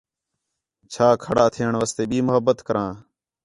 چھا کھڑ تھیݨ واسطے ٻئی محبت کراں